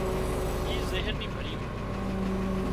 اي زهر ني ڀريون